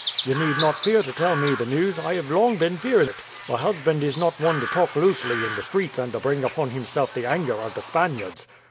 You need not fear to tell me the news; I have long been fearing it. My husband is not one to talk loosely in the streets and to bring upon himself the anger of the Spaniards.